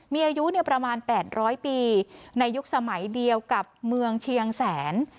มีอายุประมาณ๘๐๐ปีในยุคสมัยเดียวกับเมืองเชียงแสน